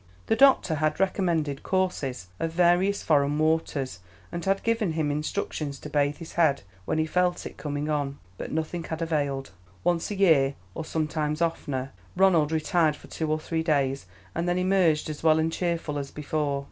The doctor had recommended courses of various foreign waters, and had given him instructions to bathe his head when he felt it coming on; but nothing had availed. Once a year, or sometimes oftener, Ronald retired for two or three days, and then emerged as well and cheerful as before.